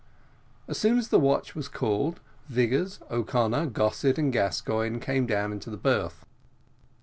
As soon as the watch was called, Vigors, O'Connor, Gossett, and Gascoigne, came down from the berth.